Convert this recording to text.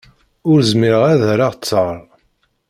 Ur zmireɣ ad d-erreɣ ttaṛ.